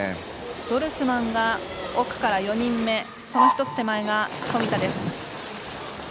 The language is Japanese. ドルスマンは奥から４人目その１つ手前が富田です。